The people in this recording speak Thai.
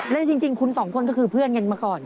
และจริงคุณสองคนก็คือเพื่อนกันมาก่อน